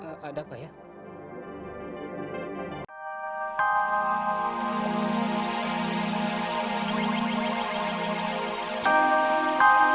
dengar di alat publik saja